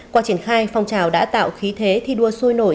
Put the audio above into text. qua triển khai phong trào đã tạo khí thế thi đua sôi nổi